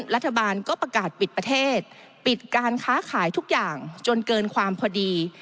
รัฐบาลก็ประกาศปิดประเทศปิดการค้าขายทุกอย่างจนเกินความพอดี